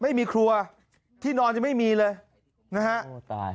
ไม่มีครัวที่นอนจะไม่มีเลยนะฮะ